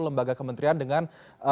lembaga kementerian dengan